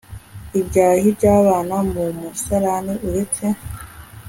ibyahi by abana mu musarani uretse